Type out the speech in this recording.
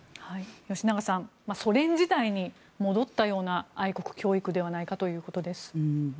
吉永さん、ソ連時代に戻ったような愛国教育ではないかということです。